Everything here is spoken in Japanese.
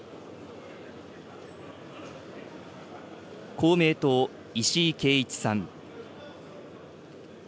公明党、石井啓一さん。